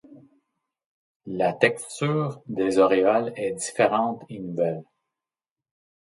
La texture des auréoles est différente et nouvelle.